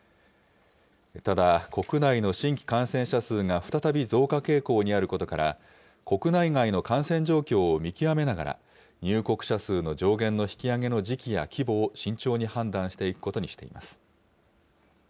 ただ、国内の新規感染者数が再び増加傾向にあることから、国内外の感染状況を見極めながら、入国者数の上限の引き上げの時期や規模を慎重に判断していくことにしています。